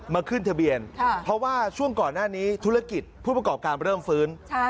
ขึ้นทะเบียนเพราะว่าช่วงก่อนหน้านี้ธุรกิจผู้ประกอบการเริ่มฟื้น